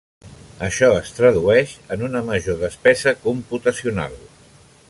Això es tradueix en una major despesa computacional.